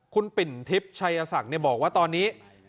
คุณปิ่นทิพย์ชัยศักดิ์บอกว่าตอนนี้